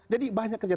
jadi banyak kerja